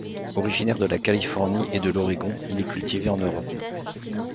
Originaire de la Californie et de l'Oregon, il est cultivé en Europe.